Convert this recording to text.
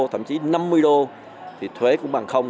thậm chí năm mươi đô thì thuế cũng bằng không